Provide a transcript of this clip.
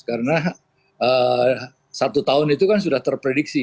karena satu tahun itu kan sudah terprediksi